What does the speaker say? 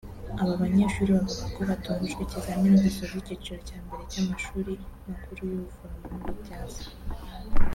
Aba banyeshuri bavuga ko batungujwe ikizamini gisoza icyiciro cya mbere cy’amashuri makuru y’ubuforomo n’ububyaza